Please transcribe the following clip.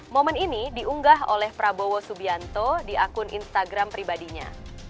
momen ini diunggah oleh prabowo subianto di akun instagram pribadinya